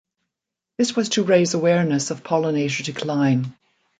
This was to raise awareness of pollinator decline.